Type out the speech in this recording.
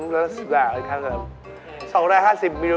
รสหวานอะไรเหิ๊ด